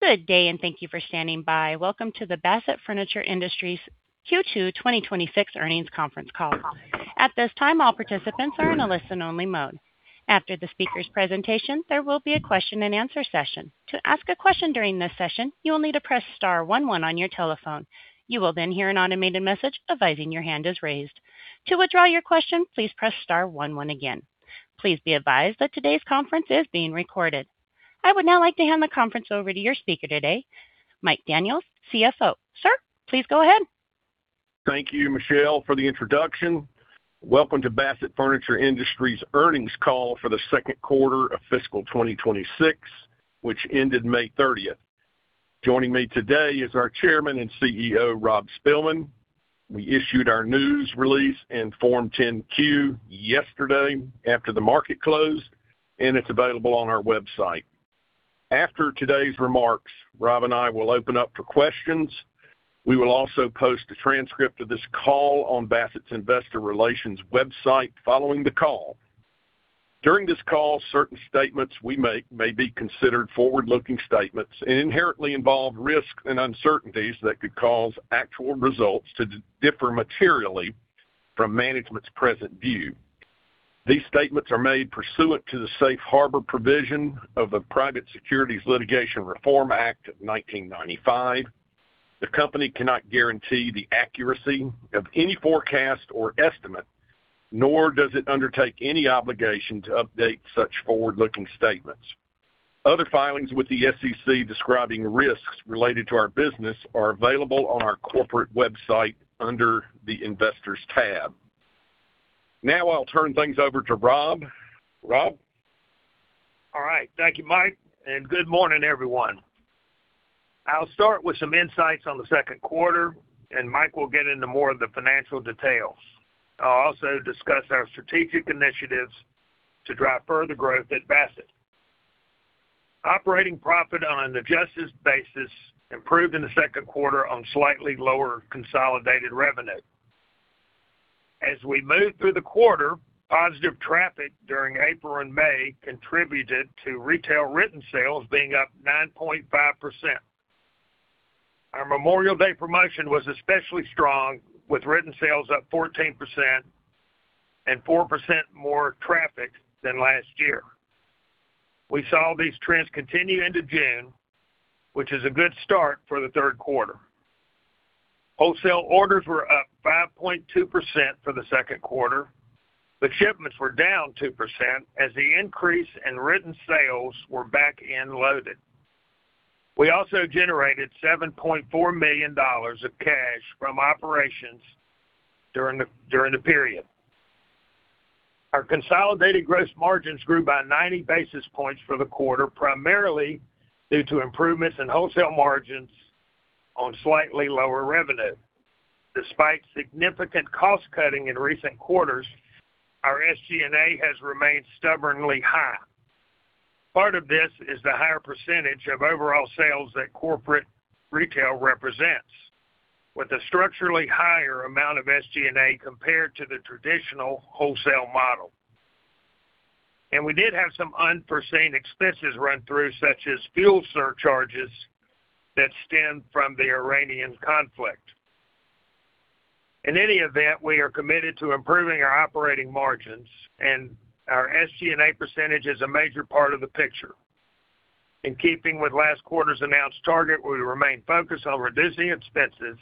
Good day. Thank you for standing by. Welcome to the Bassett Furniture Industries Q2 2026 earnings conference call. At this time, all participants are in a listen-only mode. After the speakers' presentation, there will be a question-and-answer session. To ask a question during this session, you will need to press star one one on your telephone. You will hear an automated message advising your hand is raised. To withdraw your question, please press star one one again. Please be advised that today's conference is being recorded. I would now like to hand the conference over to your speaker today, Mike Daniel, CFO. Sir, please go ahead. Thank you, Michelle, for the introduction. Welcome to Bassett Furniture Industries' earnings call for the second quarter of fiscal 2026, which ended May 30th. Joining me today is our Chairman and CEO, Rob Spilman. We issued our news release and Form 10-Q yesterday after the market closed. It's available on our website. After today's remarks, Rob and I will open up for questions. We will also post a transcript of this call on Bassett's investor relations website following the call. During this call, certain statements we make may be considered forward-looking statements and inherently involve risks and uncertainties that could cause actual results to differ materially from management's present view. These statements are made pursuant to the safe harbor provision of the Private Securities Litigation Reform Act of 1995. The company cannot guarantee the accuracy of any forecast or estimate, nor does it undertake any obligation to update such forward-looking statements. Other filings with the SEC describing risks related to our business are available on our corporate website under the Investors Tab. I'll turn things over to Rob. Rob? All right. Thank you, Mike. Good morning, everyone. I'll start with some insights on the second quarter. Mike will get into more of the financial details. I'll also discuss our strategic initiatives to drive further growth at Bassett. Operating profit on an adjusted basis improved in the second quarter on slightly lower consolidated revenue. As we moved through the quarter, positive traffic during April and May contributed to retail written sales being up 9.5%. Our Memorial Day promotion was especially strong, with written sales up 14% and 4% more traffic than last year. We saw these trends continue into June, which is a good start for the third quarter. Wholesale orders were up 5.2% for the second quarter. Shipments were down 2% as the increase in written sales were back-end loaded. We also generated $7.4 million of cash from operations during the period. Our consolidated gross margins grew by 90 basis points for the quarter, primarily due to improvements in wholesale margins on slightly lower revenue. Despite significant cost-cutting in recent quarters, our SG&A has remained stubbornly high. Part of this is the higher percentage of overall sales that corporate retail represents, with a structurally higher amount of SG&A compared to the traditional wholesale model. We did have some unforeseen expenses run through, such as fuel surcharges that stemmed from the Iranian conflict. In any event, we are committed to improving our operating margins, and our SG&A percentage is a major part of the picture. In keeping with last quarter's announced target, we remain focused on reducing expenses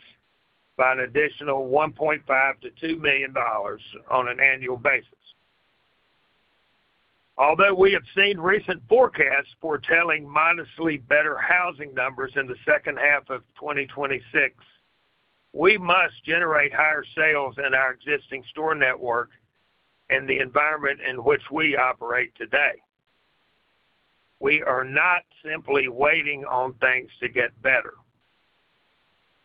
by an additional $1.5 million-$2 million on an annual basis. Although we have seen recent forecasts foretelling modestly better housing numbers in the second half of 2026, we must generate higher sales in our existing store network and the environment in which we operate today. We are not simply waiting on things to get better.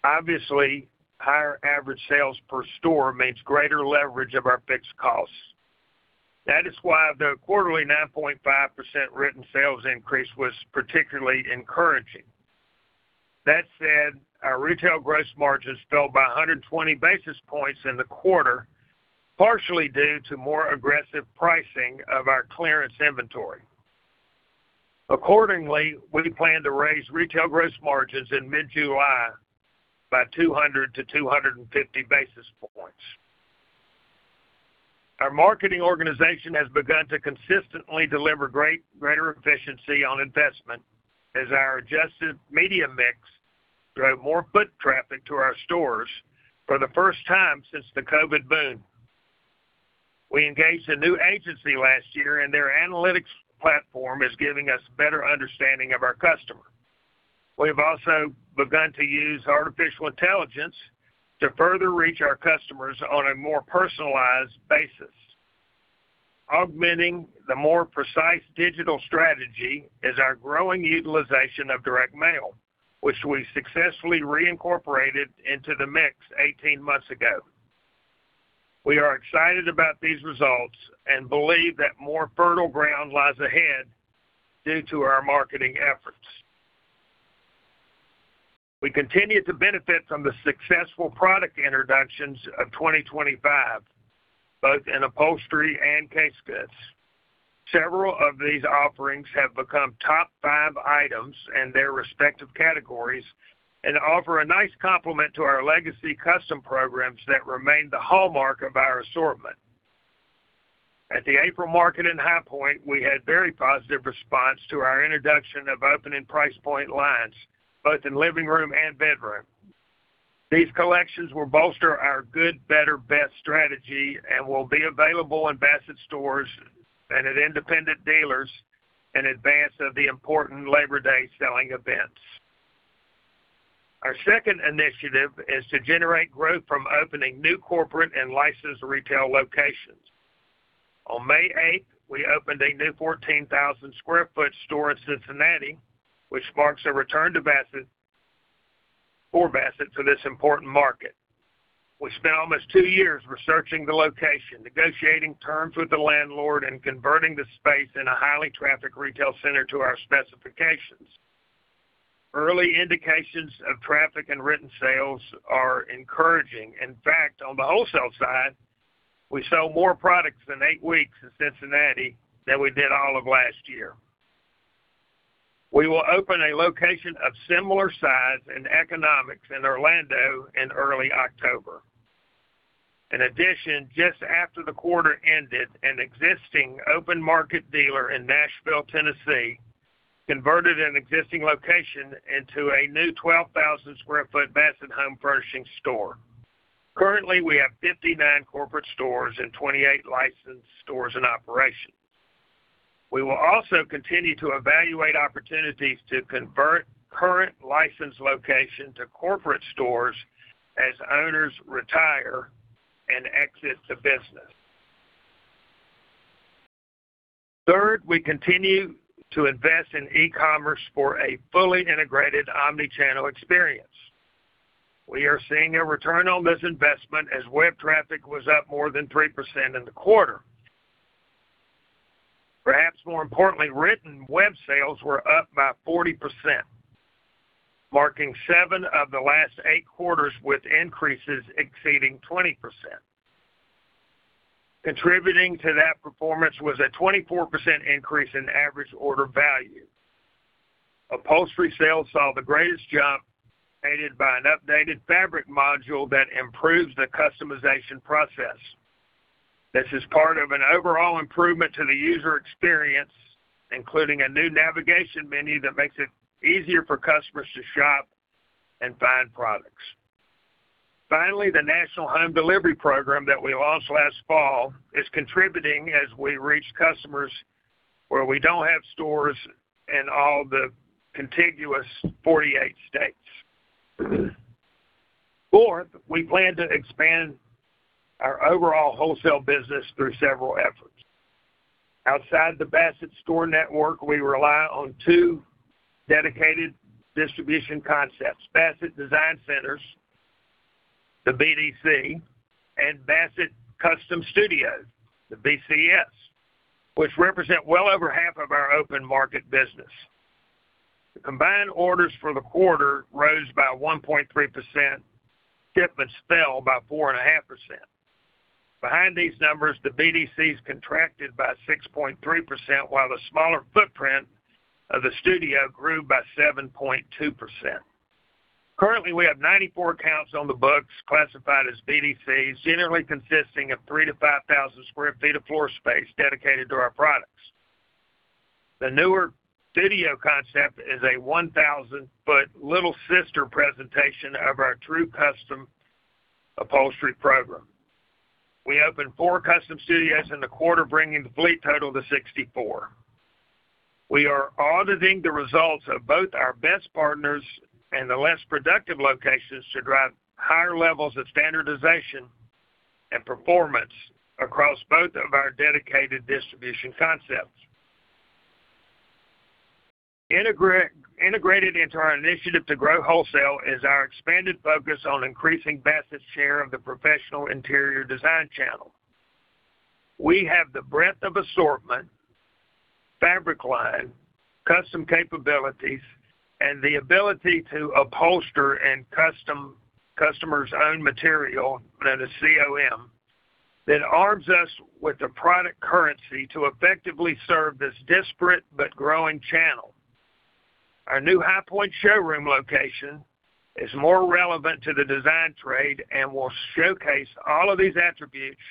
Obviously, higher average sales per store means greater leverage of our fixed costs. That is why the quarterly 9.5% written sales increase was particularly encouraging. That said, our retail gross margins fell by 120 basis points in the quarter, partially due to more aggressive pricing of our clearance inventory. Accordingly, we plan to raise retail gross margins in mid-July by 200 basis points-250 basis points. Our marketing organization has begun to consistently deliver greater efficiency on investment as our adjusted media mix drove more foot traffic to our stores for the first time since the COVID boom. We engaged a new agency last year. Their analytics platform is giving us better understanding of our customer. We've also begun to use artificial intelligence to further reach our customers on a more personalized basis. Augmenting the more precise digital strategy is our growing utilization of direct mail, which we successfully reincorporated into the mix 18 months ago. We are excited about these results and believe that more fertile ground lies ahead due to our marketing efforts. We continue to benefit from the successful product introductions of 2025, both in upholstery and case goods. Several of these offerings have become top five items in their respective categories and offer a nice complement to our legacy custom programs that remain the hallmark of our assortment. At the April market in High Point, we had very positive response to our introduction of open and price point lines, both in living room and bedroom. These collections will bolster our good, better, best strategy and will be available in Bassett stores and at independent dealers in advance of the important Labor Day selling events. Our second initiative is to generate growth from opening new corporate and licensed retail locations. On May 8th, we opened a new 14,000 sq ft store in Cincinnati, which marks a return for Bassett to this important market. We spent almost two years researching the location, negotiating terms with the landlord, and converting the space in a highly trafficked retail center to our specifications. Early indications of traffic and written sales are encouraging. In fact, on the wholesale side, we sold more products in eight weeks in Cincinnati than we did all of last year. We will open a location of similar size and economics in Orlando in early October. In addition, just after the quarter ended, an existing open market dealer in Nashville, Tennessee, converted an existing location into a new 12,000 sq ft Bassett Home Furnishings store. Currently, we have 59 corporate stores and 28 licensed stores in operation. We will also continue to evaluate opportunities to convert current licensed locations to corporate stores as owners retire and exit the business. Third, we continue to invest in e-commerce for a fully integrated omni-channel experience. We are seeing a return on this investment as web traffic was up more than 3% in the quarter. Perhaps more importantly, written web sales were up by 40%, marking seven of the last eight quarters with increases exceeding 20%. Contributing to that performance was a 24% increase in average order value. Upholstery sales saw the greatest jump, aided by an updated fabric module that improves the customization process. This is part of an overall improvement to the user experience, including a new navigation menu that makes it easier for customers to shop and find products. Finally, the national home delivery program that we launched last fall is contributing as we reach customers where we don't have stores in all the contiguous 48 states. Fourth, we plan to expand our overall wholesale business through several efforts. Outside the Bassett store network, we rely on two dedicated distribution concepts, Bassett Design Centers, the BDC, and Bassett Custom Studios, the BCS, which represent well over half of our open market business. The combined orders for the quarter rose by 1.3%, shipments fell by 4.5%. Behind these numbers, the BDCs contracted by 6.3%, while the smaller footprint of the studio grew by 7.2%. Currently, we have 94 accounts on the books classified as BDCs, generally consisting of 3,000 sq ft-5,000 sq ft of floor space dedicated to our products. The newer studio concept is a 1,000-ft little sister presentation of our true custom upholstery program. We opened four custom studios in the quarter, bringing the fleet total to 64. We are auditing the results of both our best partners and the less productive locations to drive higher levels of standardization and performance across both of our dedicated distribution concepts. Integrated into our initiative to grow wholesale is our expanded focus on increasing Bassett's share of the professional interior design channel. We have the breadth of assortment, fabric line, custom capabilities, and the ability to upholster in customers' own material, known as COM, that arms us with the product currency to effectively serve this disparate but growing channel. Our new High Point showroom location is more relevant to the design trade and will showcase all of these attributes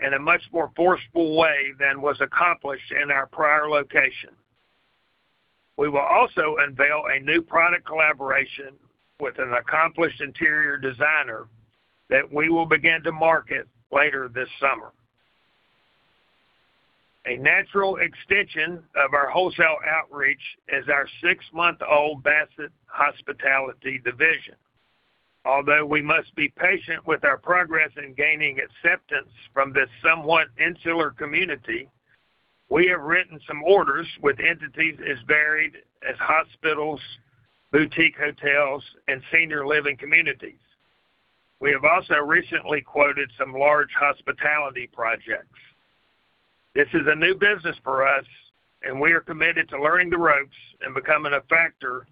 in a much more forceful way than was accomplished in our prior location. We will also unveil a new product collaboration with an accomplished interior designer that we will begin to market later this summer. A natural extension of our wholesale outreach is our six-month-old Bassett Hospitality division. Although we must be patient with our progress in gaining acceptance from this somewhat insular community, we have written some orders with entities as varied as hospitals, boutique hotels, and senior living communities. We have also recently quoted some large hospitality projects. This is a new business for us, and we are committed to learning the ropes and becoming a factor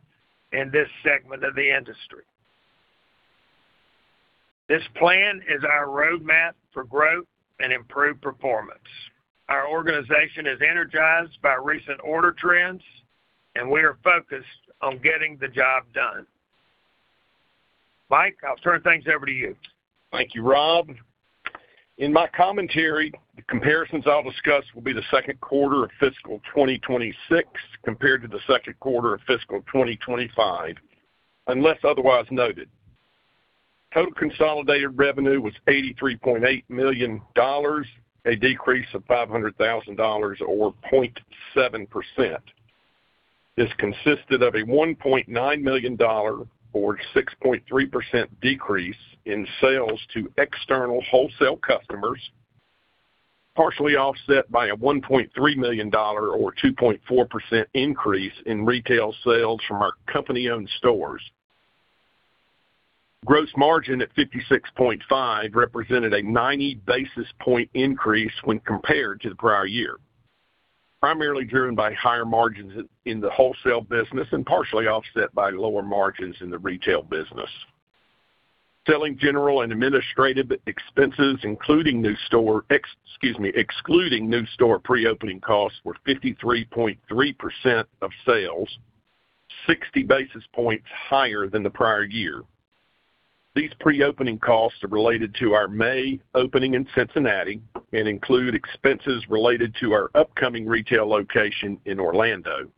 in this segment of the industry. This plan is our roadmap for growth and improved performance. Our organization is energized by recent order trends, and we are focused on getting the job done. Mike, I'll turn things over to you. Thank you, Rob. In my commentary, the comparisons I'll discuss will be the second quarter of fiscal 2026 compared to the second quarter of fiscal 2025, unless otherwise noted. Total consolidated revenue was $83.8 million, a decrease of $500,000 or 0.7%. This consisted of a $1.9 million, or 6.3% decrease in sales to external wholesale customers, partially offset by a $1.3 million, or 2.4% increase in retail sales from our company-owned stores. Gross margin at 56.5% represented a 90 basis point increase when compared to the prior year, primarily driven by higher margins in the wholesale business and partially offset by lower margins in the retail business. Selling, General and Administrative Expenses, excluding new store pre-opening costs were 53.3% of sales, 60 basis points higher than the prior year. These pre-opening costs are related to our May opening in Cincinnati and include expenses related to our upcoming retail location in Orlando.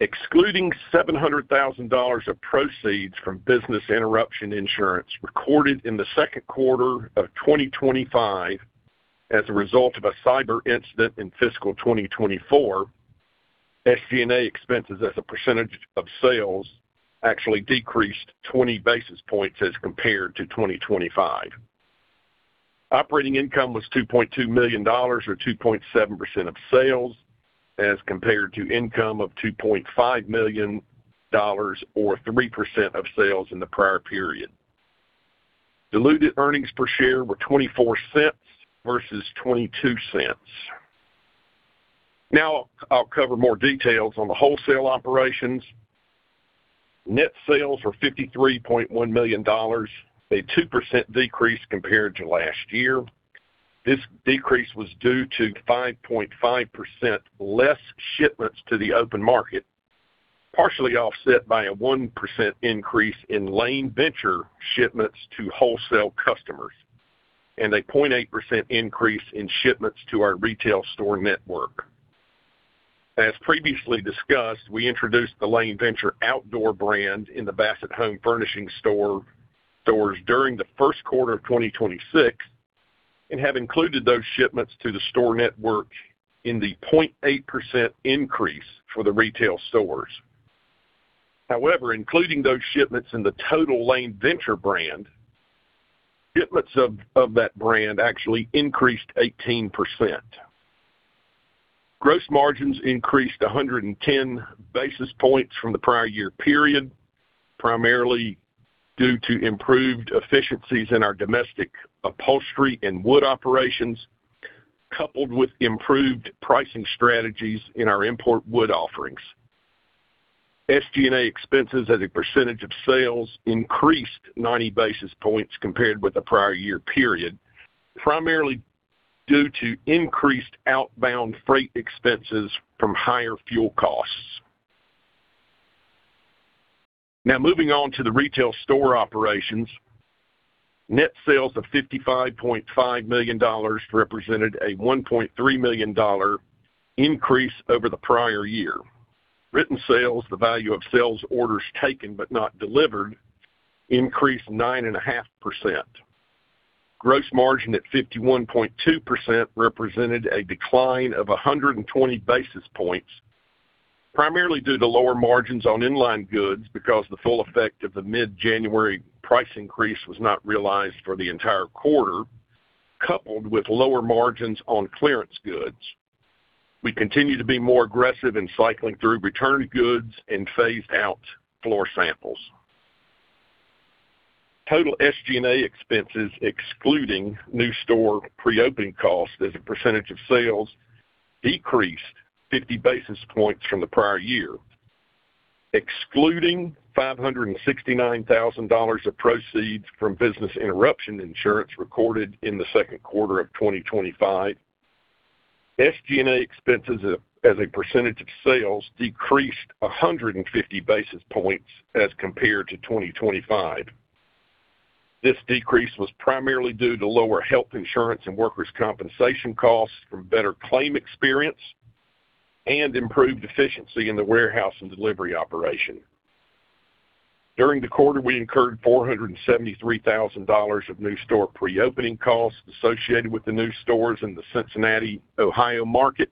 Excluding $700,000 of proceeds from business interruption insurance recorded in the second quarter of 2025 as a result of a cyber incident in fiscal 2024, SG&A expenses as a percentage of sales actually decreased 20 basis points as compared to 2025. Operating income was $2.2 million or 2.7% of sales, as compared to income of $2.5 million or 3% of sales in the prior period. Diluted earnings per share were $0.24 versus $0.22. Now I'll cover more details on the wholesale operations. Net sales were $53.1 million, a 2% decrease compared to last year. This decrease was due to 5.5% less shipments to the open market, partially offset by a 1% increase in Lane Venture shipments to wholesale customers, and a 0.8% increase in shipments to our retail store network. As previously discussed, we introduced the Lane Venture outdoor brand in the Bassett Home Furnishings stores during the first quarter of 2026 and have included those shipments to the store network in the 0.8% increase for the retail stores. However, including those shipments in the total Lane Venture brand, shipments of that brand actually increased 18%. Gross margins increased 110 basis points from the prior year period, primarily due to improved efficiencies in our domestic upholstery and wood operations, coupled with improved pricing strategies in our import wood offerings. SG&A expenses as a percentage of sales increased 90 basis points compared with the prior year period, primarily due to increased outbound freight expenses from higher fuel costs. Moving on to the retail store operations. Net sales of $55.5 million represented a $1.3 million increase over the prior year. Written sales, the value of sales orders taken but not delivered, increased 9.5%. Gross margin at 51.2% represented a decline of 120 basis points, primarily due to lower margins on inline goods because the full effect of the mid-January price increase was not realized for the entire quarter, coupled with lower margins on clearance goods. We continue to be more aggressive in cycling through returned goods and phased out floor samples. Total SG&A expenses excluding new store pre-opening costs as a percentage of sales decreased 50 basis points from the prior year. Excluding $569,000 of proceeds from business interruption insurance recorded in the second quarter of 2025, SG&A expenses as a percentage of sales decreased 150 basis points as compared to 2025. This decrease was primarily due to lower health insurance and workers' compensation costs from better claim experience and improved efficiency in the warehouse and delivery operation. During the quarter, we incurred $473,000 of new store pre-opening costs associated with the new stores in the Cincinnati, Ohio market,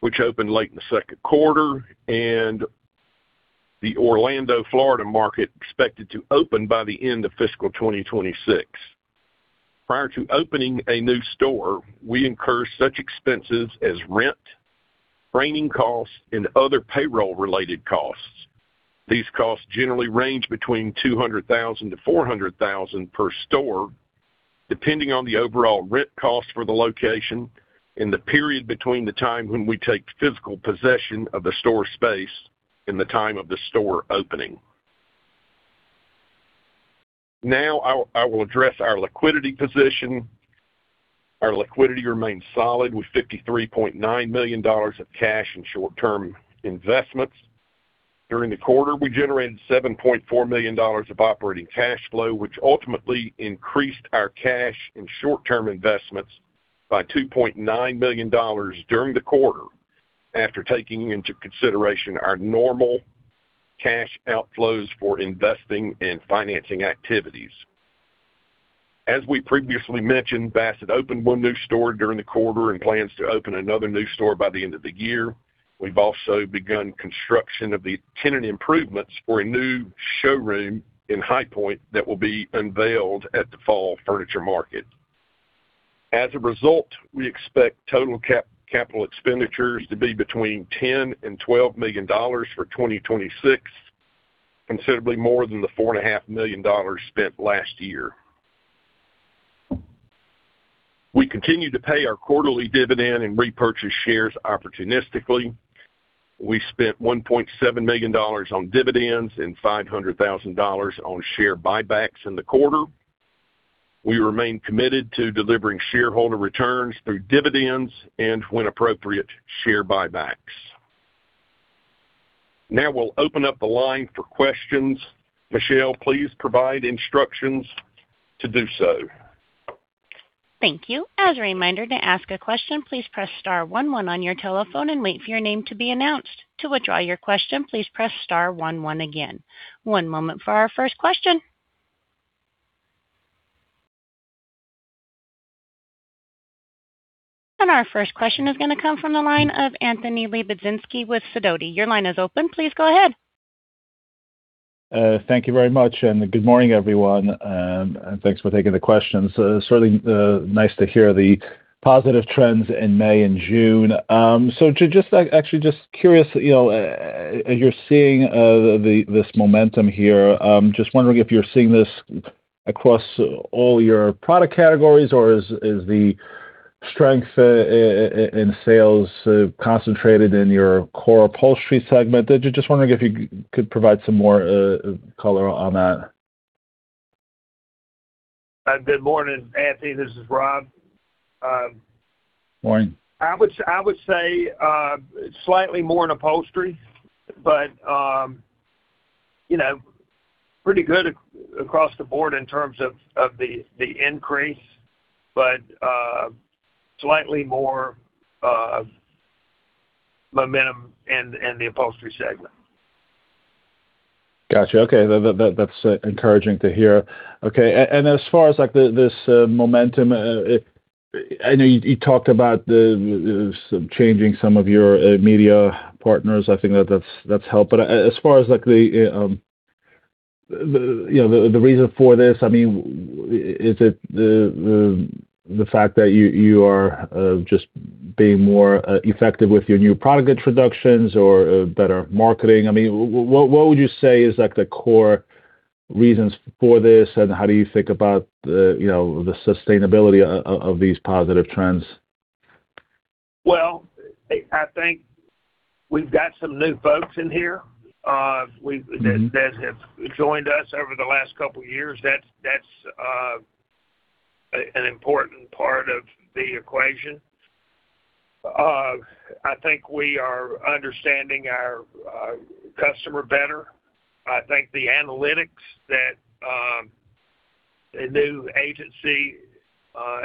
which opened late in the second quarter, and the Orlando, Florida market expected to open by the end of fiscal 2026. Prior to opening a new store, we incur such expenses as rent training costs and other payroll related costs. These costs generally range between $200,000-$400,000 per store, depending on the overall rent cost for the location and the period between the time when we take physical possession of the store space and the time of the store opening. I will address our liquidity position. Our liquidity remains solid with $53.9 million of cash and short-term investments. During the quarter, we generated $7.4 million of operating cash flow, which ultimately increased our cash and short-term investments by $2.9 million during the quarter, after taking into consideration our normal cash outflows for investing and financing activities. As we previously mentioned, Bassett opened one new store during the quarter and plans to open another new store by the end of the year. We've also begun construction of the tenant improvements for a new showroom in High Point that will be unveiled at the fall furniture market. As a result, we expect total capital expenditures to be between $10 million-$12 million for 2026, considerably more than the $4.5 million spent last year. We continue to pay our quarterly dividend and repurchase shares opportunistically. We spent $1.7 million on dividends and $500,000 on share buybacks in the quarter. We remain committed to delivering shareholder returns through dividends and, when appropriate, share buybacks. We'll open up the line for questions. Michelle, please provide instructions to do so. Thank you. As a reminder to ask a question, please press star one one on your telephone and wait for your name to be announced. To withdraw your question, please press star one one again. One moment for our first question. Our first question is going to come from the line of Anthony Lebiedzinski with Sidoti. Your line is open. Please go ahead. Thank you very much, good morning, everyone. Thanks for taking the questions. Certainly nice to hear the positive trends in May and June. Just actually curious, as you're seeing this momentum here, just wondering if you're seeing this across all your product categories, or is the strength in sales concentrated in your core upholstery segment? Just wondering if you could provide some more color on that. Good morning, Anthony. This is Rob. Morning. I would say slightly more in upholstery but pretty good across the board in terms of the increase, but slightly more momentum in the upholstery segment. Got you. Okay. That's encouraging to hear. Okay. As far as this momentum, I know you talked about changing some of your media partners. I think that's helped. As far as the reason for this, is it the fact that you are just being more effective with your new product introductions or better marketing? What would you say is the core reasons for this, and how do you think about the sustainability of these positive trends? Well, I think we've got some new folks in here that have joined us over the last couple of years. That's an important part of the equation. I think we are understanding our customer better. I think the analytics that a new agency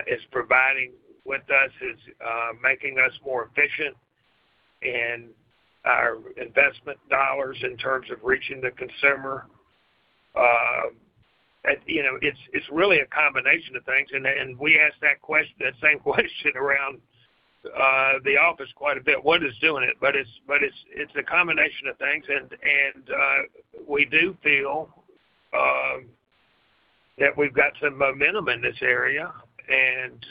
is providing with us is making us more efficient in our investment dollars in terms of reaching the consumer. It's really a combination of things. We ask that same question around the office quite a bit, what is doing it? It's a combination of things, and we do feel that we've got some momentum in this area, and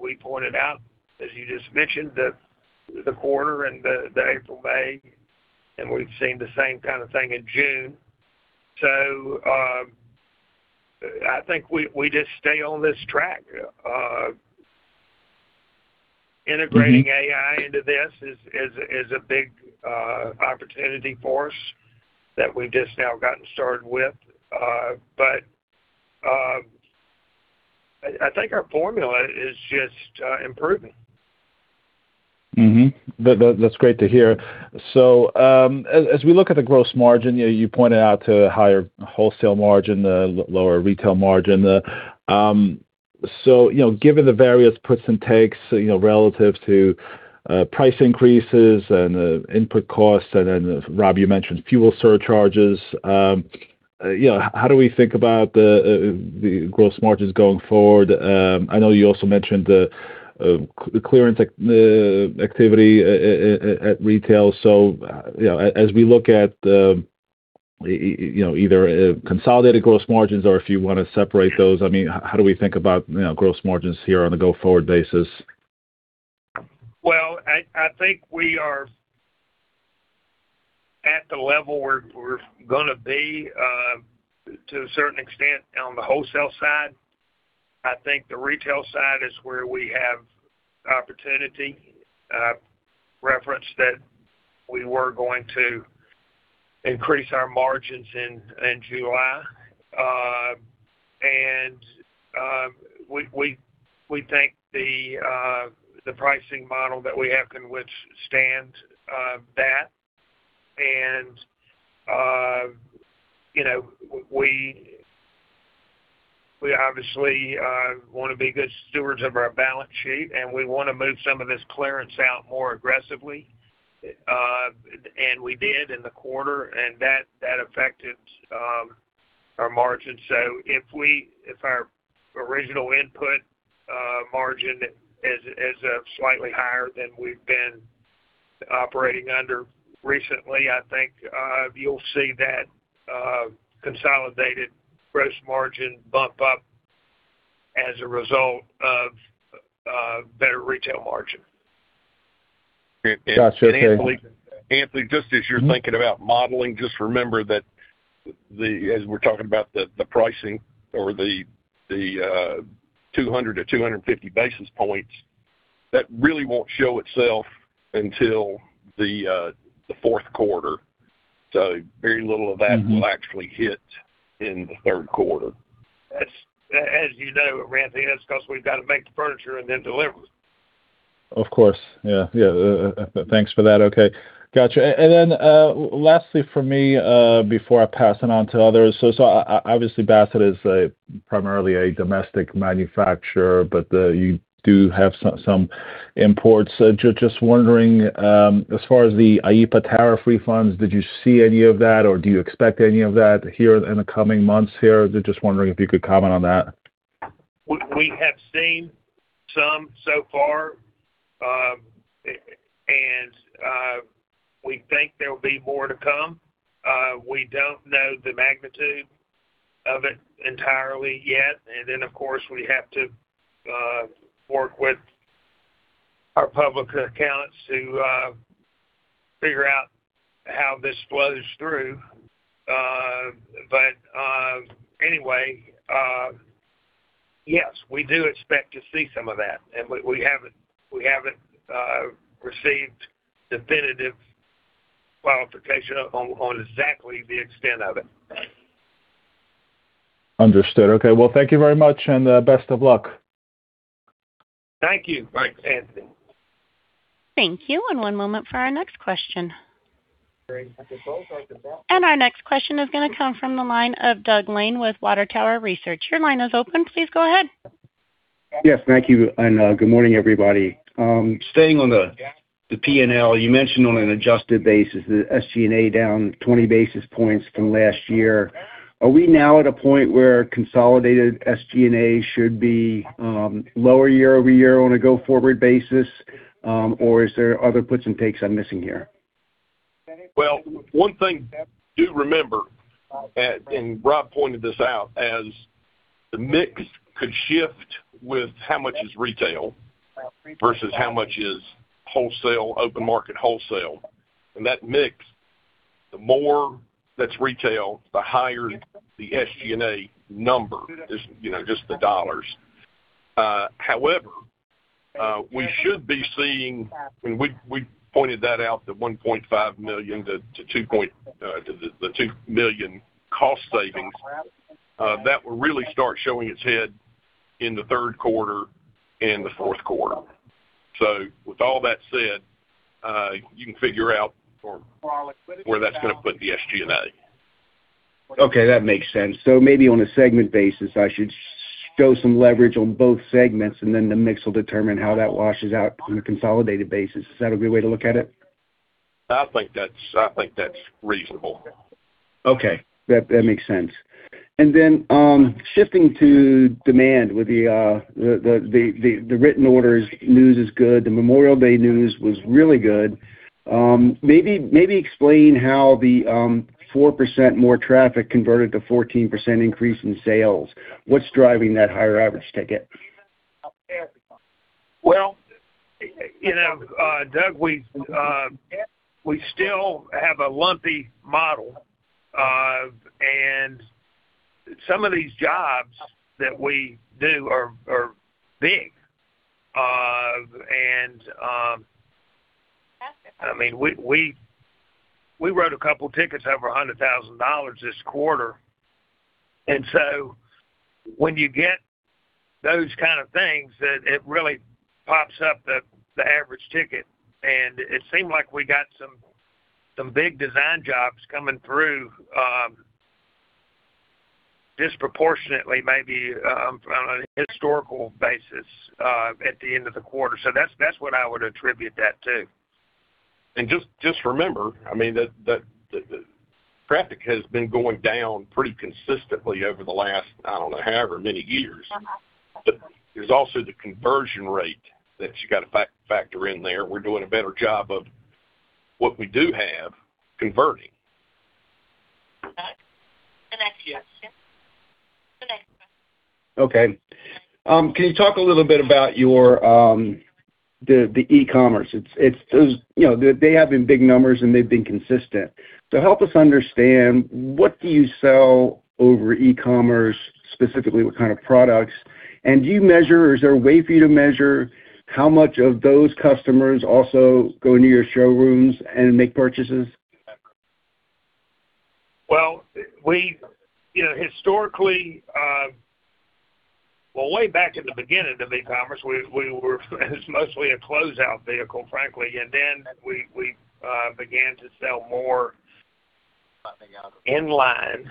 we pointed out, as you just mentioned, the quarter and the April, May, and we've seen the same kind of thing in June. I think we just stay on this track. Integrating AI into this is a big opportunity for us that we've just now gotten started with. I think our formula is just improving. Mm-hmm. That's great to hear. As we look at the gross margin, you pointed out to higher wholesale margin, lower retail margin. Given the various puts and takes relative to price increases and input costs, and then Rob, you mentioned fuel surcharges, how do we think about the gross margins going forward? I know you also mentioned the clearance activity at retail. As we look at either consolidated gross margins or if you want to separate those. How do we think about gross margins here on a go-forward basis? Well, I think we are at the level where we're going to be to a certain extent on the wholesale side. I think the retail side is where we have opportunity. Referenced that we were going to increase our margins in July. We think the pricing model that we have can withstand that. We obviously want to be good stewards of our balance sheet, and we want to move some of this clearance out more aggressively. We did in the quarter, and that affected our margin. If our original input margin is slightly higher than we've been operating under recently, I think you'll see that consolidated gross margin bump up as a result of better retail margin. Got you. Okay. Anthony, just as you're thinking about modeling, just remember that as we're talking about the pricing or the 200 basis points-250 basis points, that really won't show itself until the fourth quarter. Very little of that will actually hit in the third quarter. As you know, Anthony, that's because we've got to make the furniture and then deliver it. Of course, thanks for that. Lastly from me, before I pass it on to others. Obviously Bassett is primarily a domestic manufacturer, but you do have some imports. Just wondering, as far as the IEPA tariff refunds, did you see any of that, or do you expect any of that here in the coming months here? Just wondering if you could comment on that. We have seen some so far. We think there'll be more to come. We don't know the magnitude of it entirely yet. Of course, we have to work with our public accountants to figure out how this flows through. Yes, we do expect to see some of that. We haven't received definitive qualification on exactly the extent of it. Understood. Okay. Thank you very much, and best of luck. Thank you. Thanks. Anthony. Thank you. One moment for our next question. [inaudible] Our next question is going to come from the line of Doug Lane with Water Tower Research. Your line is open. Please go ahead. Yes. Thank you, and good morning, everybody. Staying on the P&L, you mentioned on an adjusted basis, the SG&A down 20 basis points from last year. Are we now at a point where consolidated SG&A should be lower year-over-year on a go-forward basis? Is there other puts and takes I'm missing here? One thing to remember, and Rob pointed this out, as the mix could shift with how much is retail versus how much is wholesale, open market wholesale. That mix, the more that's retail, the higher the SG&A number is, just the dollars. However, we should be seeing, and we pointed that out, the $1.5 million to the $2 million cost savings. That will really start showing its head in the third quarter and the fourth quarter. With all that said, you can figure out where that's going to put the SG&A. Okay. That makes sense. Maybe on a segment basis, I should show some leverage on both segments, the mix will determine how that washes out on a consolidated basis. Is that a good way to look at it? I think that's reasonable. Okay. That makes sense. Shifting to demand with the written orders news is good. The Memorial Day news was really good. Maybe explain how the 4% more traffic converted to 14% increase in sales. What's driving that higher average ticket? Well, Doug, we still have a lumpy model. Some of these jobs that we do are big. We wrote a couple tickets over $100,000 this quarter. So when you get those kind of things, it really pops up the average ticket. It seemed like we got some big design jobs coming through disproportionately, maybe on a historical basis, at the end of the quarter. That's what I would attribute that to. Just remember, the traffic has been going down pretty consistently over the last, I don't know, however many years. There's also the conversion rate that you've got to factor in there. We're doing a better job of what we do have, converting. Doug? The next question. Yes. The next question. Okay. Can you talk a little bit about the e-commerce? They have been big numbers, and they've been consistent. Help us understand, what do you sell over e-commerce, specifically what kind of products? Do you measure, or is there a way for you to measure how much of those customers also go into your showrooms and make purchases? Well, way back in the beginning of e-commerce, it was mostly a closeout vehicle, frankly. Then we began to sell more in-line,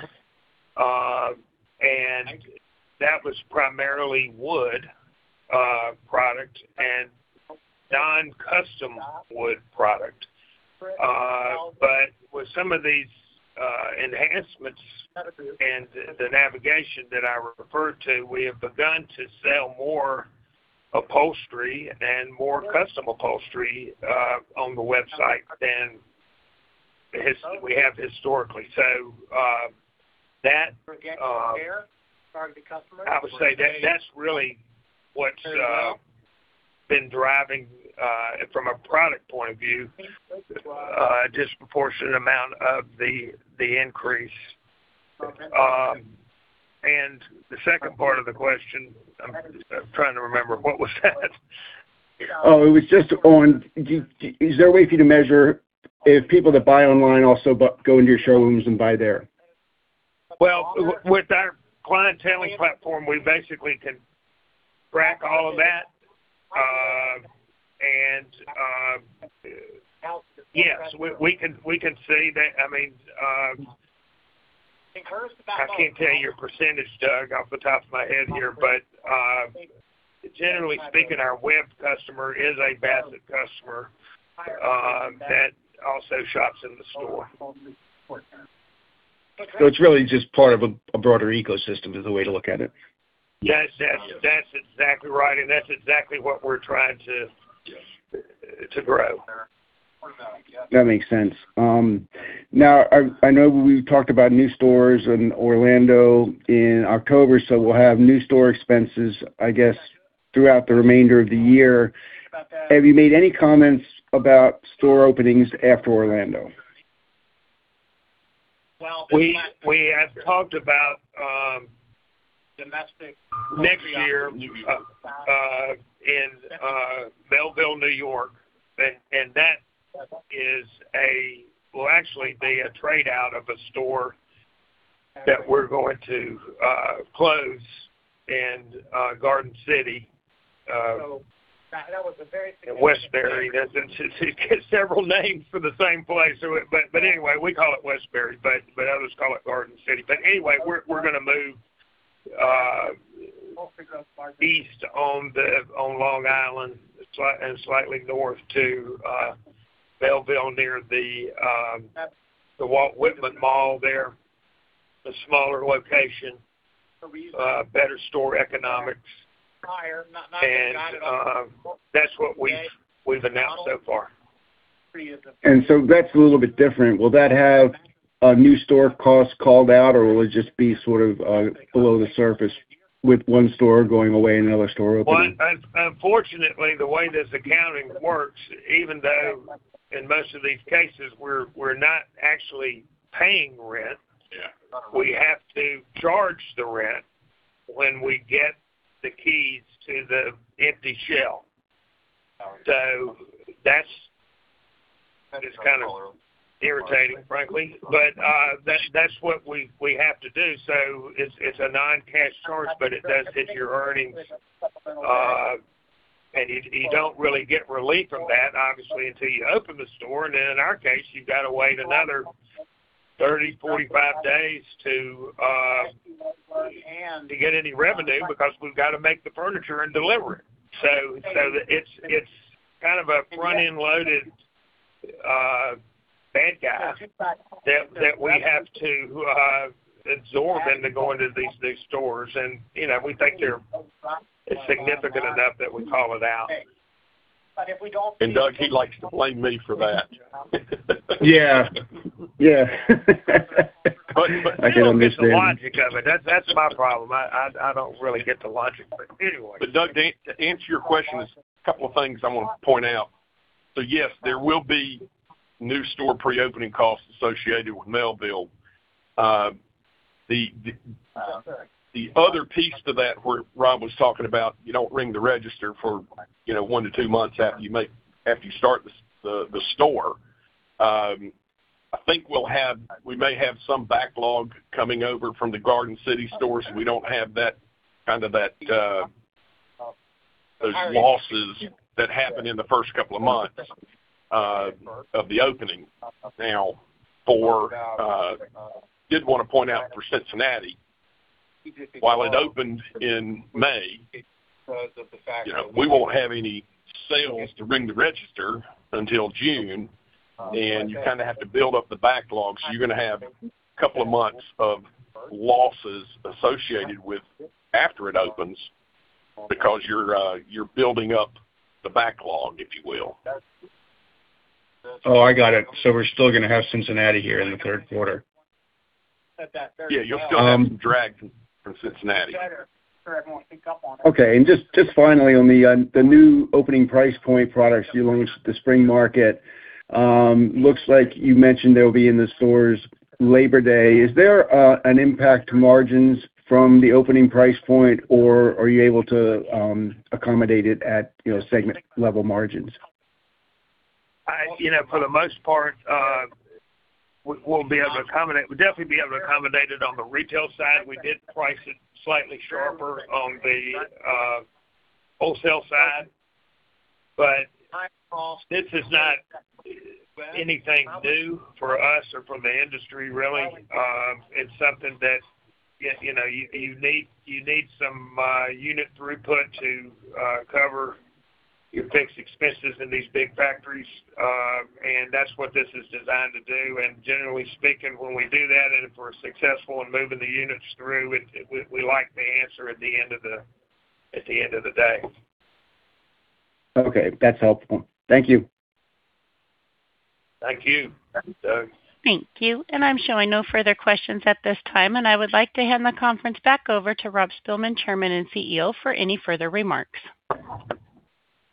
and that was primarily wood product and non-custom wood product. With some of these enhancements and the navigation that I referred to, we have begun to sell more upholstery and more custom upholstery on the website than we have historically. I would say that's really what's been driving, from a product point of view, a disproportionate amount of the increase. The second part of the question, I'm trying to remember. What was that? Oh, it was just on, is there a way for you to measure if people that buy online also go into your showrooms and buy there? Well, with our clientele platform, we basically can track all of that. Yes, we can see that. I can't tell you your percentage, Doug, off the top of my head here. Generally speaking, our web customer is a Bassett customer that also shops in the store. It's really just part of a broader ecosystem, is the way to look at it. That's exactly right. That's exactly what we're trying to grow. That makes sense. Now, I know we've talked about new stores in Orlando in October. We'll have new store expenses, I guess, throughout the remainder of the year. Have you made any comments about store openings after Orlando? We have talked about next year in Melville, New York. That will actually be a trade-out of a store that we're going to close in Garden City in Westbury. Several names for the same place. Anyway, we call it Westbury, but others call it Garden City. Anyway, we're going to move east on Long Island and slightly north to Melville, near the Walt Whitman Mall there. A smaller location, better store economics. That's what we've announced so far. That's a little bit different. Will that have a new store cost called out, or will it just be sort of below the surface with one store going away and another store opening? Well, unfortunately, the way this accounting works, even though in most of these cases, we're not actually paying rent, we have to charge the rent when we get the keys to the empty shell. That is kind of irritating, frankly. That's what we have to do. It's a non-cash charge, but it does hit your earnings. You don't really get relief from that, obviously, until you open the store. Then in our case, you've got to wait another 30, 45 days to get any revenue because we've got to make the furniture and deliver it. It's kind of a front-end loaded bad guy that we have to absorb into going to these new stores. We think they're significant enough that we call it out. Doug, he likes to blame me for that. Yeah. I can understand. He doesn't get the logic of it. That's my problem. I don't really get the logic. Anyway. Doug, to answer your question, there's a couple of things I want to point out. Yes, there will be new store pre-opening costs associated with Melville. The other piece to that, where Rob was talking about you don't ring the register for 1-2 months after you start the store, I think we may have some backlog coming over from the Garden City stores. We don't have those losses that happen in the first couple of months of the opening. Did want to point out for Cincinnati, while it opened in May, we won't have any sales to ring the register until June. You kind of have to build up the backlog. You're going to have a couple of months of losses associated with after it opens because you're building up the backlog, if you will. I got it. We're still going to have Cincinnati here in the third quarter. Yeah. You'll still have some drag from Cincinnati. Okay. Just finally on the new opening price point products you launched at the spring market. Looks like you mentioned they'll be in the stores Labor Day. Is there an impact to margins from the opening price point, or are you able to accommodate it at segment level margins? For the most part, we'll definitely be able to accommodate it on the retail side. We did price it slightly sharper on the wholesale side, but this is not anything new for us or for the industry, really. It's something that you need some unit throughput to cover your fixed expenses in these big factories. That's what this is designed to do. Generally speaking, when we do that, and if we're successful in moving the units through, we like the answer at the end of the day. Okay. That's helpful. Thank you. Thank you. Thank you, Doug. Thank you. I'm showing no further questions at this time, and I would like to hand the conference back over to Rob Spilman, Chairman and CEO, for any further remarks.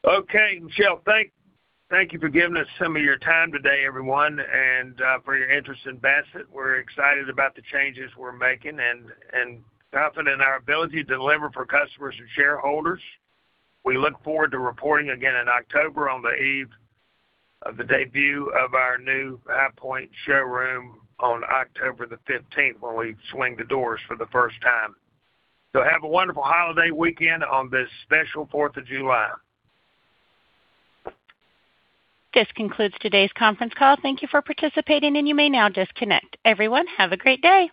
Michelle, thank you for giving us some of your time today, everyone, and for your interest in Bassett. We're excited about the changes we're making and confident in our ability to deliver for customers and shareholders. We look forward to reporting again in October on the eve of the debut of our new High Point showroom on October the 15th, when we swing the doors for the first time. Have a wonderful holiday weekend on this special 4th of July. This concludes today's conference call. Thank you for participating, and you may now disconnect. Everyone, have a great day.